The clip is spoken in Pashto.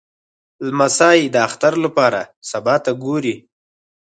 لمسی د اختر لپاره سبا ته ګوري.